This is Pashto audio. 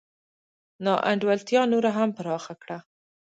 نا انډولتیا نوره هم پراخه کړه.